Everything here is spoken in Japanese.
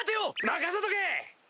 任せとけ！